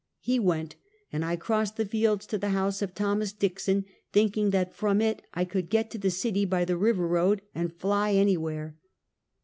He went, and I crossed the fields to the house of Thomas Dickson, thinking that from it I could get to the city by the river road and fly any where.